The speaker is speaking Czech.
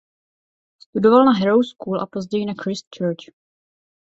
Studoval na Harrow School a později na Christ Church.